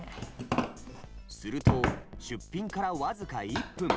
すると出品から僅か１分。